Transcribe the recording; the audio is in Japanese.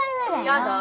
やだ。